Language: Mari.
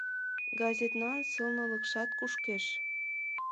Газетнан сылнылыкшат кушкеш.